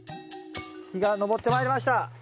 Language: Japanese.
日が昇ってまいりましたダーンと！